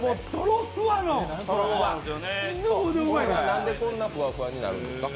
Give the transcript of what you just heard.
なんで、こんなにフワフワになるんですか？